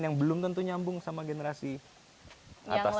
yang belum tentu nyambung sama generasi atas